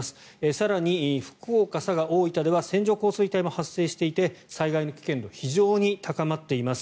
更に福岡、佐賀、大分では線状降水帯も発生していて災害の危険度非常に高まっています。